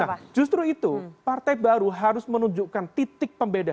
nah justru itu partai baru harus menunjukkan titik pembeda